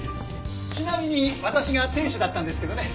ちなみに私が店主だったんですけどね。